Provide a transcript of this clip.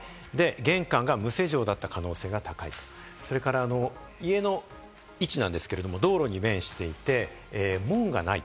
玄関が無施錠だった可能性が高い、それから家の位置なんですけれど、道路に面していて、門がない。